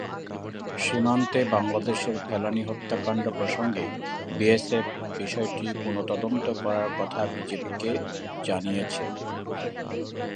সীমান্তে বাংলাদেশের ফেলানী হত্যাকাণ্ড প্রসঙ্গে বিএসএফ বিষয়টি পুনঃ তদন্ত করার কথা বিজিবিকে জানিয়েছে।